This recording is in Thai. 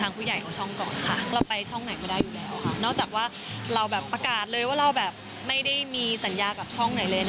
นอกจากว่าเราประกาศเลยว่าเราไม่ได้มีสัญญากับช่องไหนเลย